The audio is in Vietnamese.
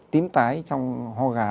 tín tái trong ho gà